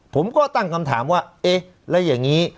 ผมก็ตั้งคำถามว่าเอ๊ะแล้วอย่างนี้